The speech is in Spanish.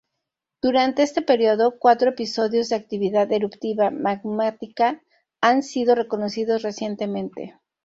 Durante este período, cuatro episodios de actividad eruptiva magmática han sido reconocidos recientemente.